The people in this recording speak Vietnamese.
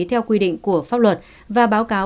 theo quy định của pháp luật và báo cáo